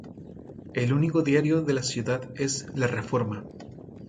El único diario de la ciudad es "La Reforma".